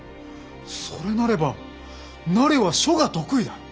それなれば汝は書が得意だ。